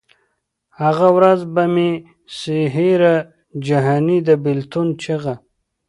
هغه ورځ به مي سي هېره جهاني د بېلتون چیغه